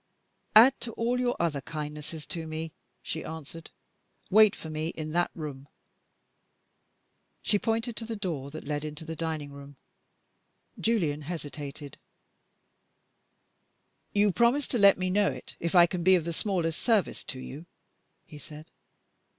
"Add to all your other kindnesses to me," she answered. "Wait for me in that room." She pointed to the door that led into the dining room. Julian hesitated. "You promise to let me know it if I can be of the smallest service to you?" he said.